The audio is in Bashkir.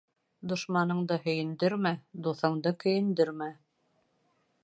Дошманыңды һөйөндөрмә, дуҫыңды көйөндөрмә.